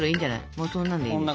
もうそんなんでいいんですよ。